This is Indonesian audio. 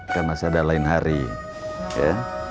karena saya ada lain hari ya